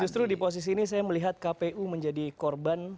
justru di posisi ini saya melihat kpu menjadi korban